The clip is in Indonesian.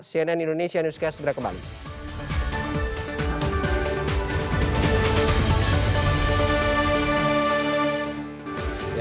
cnn indonesia newscast kembali